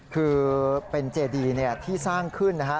คือเป็นเจดีที่สร้างขึ้นนะฮะ